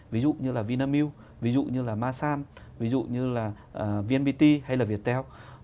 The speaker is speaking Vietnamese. ví dụ như là vinamil ví dụ như là masan ví dụ như là vnpt hay là viettel